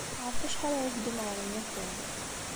Ɣef wacḥal ara teddum ɣer unafag?